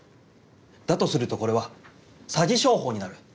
だとするとこれは詐欺商法になる。